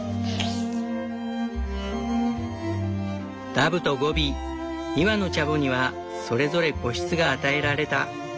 ダブとゴビ２羽のチャボにはそれぞれ個室が与えられた。